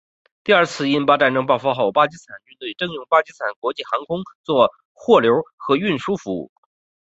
第二次印巴战争爆发后巴基斯坦军队征用巴基斯坦国际航空做货流和运输服务。